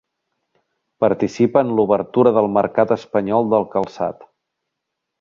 Participa en l'obertura del mercat espanyol del calçat.